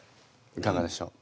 いかがでしょう？